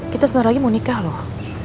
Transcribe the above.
kita sebentar lagi mau nikah loh